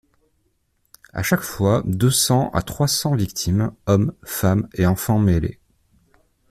À chaque fois, deux cents à trois cents victimes, hommes, femmes et enfants mêlés.